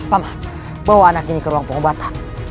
mamah bawa anak ini ke ruang pengobatan